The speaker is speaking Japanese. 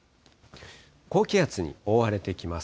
高気圧に覆われてきます。